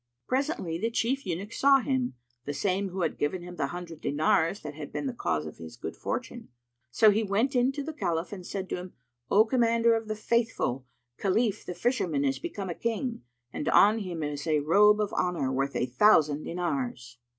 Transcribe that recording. Presently, the Chief Eunuch saw him, the same who had given him the hundred dinars that had been the cause of his good fortune; so he went in to the Caliph and said to him, "O Commander of the Faithful, Khalif the Fisherman is become a King, and on him is a robe of honour worth a thousand dinars."